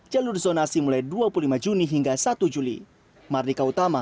jalur zonasi mulai dua puluh lima juni hingga satu juli